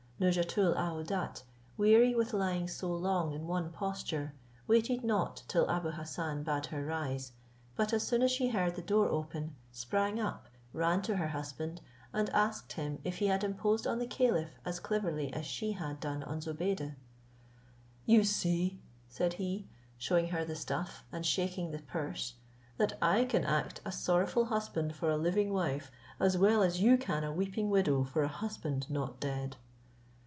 Nouzhatoul aouadat, weary with lying so long in one posture, waited not till Abou Hassan bade her rise; but as soon as she heard the door open, sprang up, ran to her husband, and asked him if he had imposed on the caliph as cleverly as she had done on Zobeide. "You see," said he, shewing her the stuff, and shaking the purse, "that I can act a sorrowful husband for a living wife, as well as you can a weeping widow for a husband not dead."